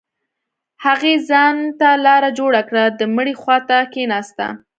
هغې ځان ته لاره جوړه كړه د مړي خوا ته كښېناسته.